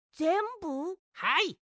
はい。